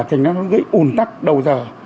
thành ra nó gây ủn tắc đầu giờ